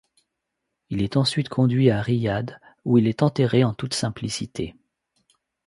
Il est ensuite conduit à Riyad, où il est enterré en toute simplicité.